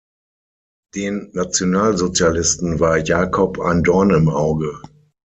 Den Nationalsozialisten war Jacob ein Dorn im Auge.